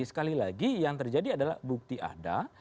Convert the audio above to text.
sekali lagi yang terjadi adalah bukti ada